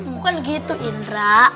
bukan gitu indra